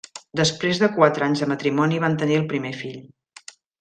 Després de quatre anys de matrimoni van tenir el primer fill.